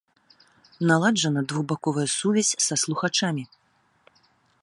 Наладжана двухбаковая сувязь са слухачамі.